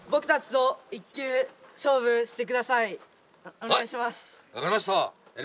お願いします。